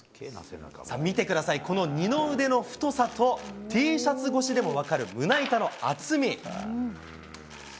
さあ、見てください、この二の腕の太さと、Ｔシャツ越しでも分かる胸板の厚み。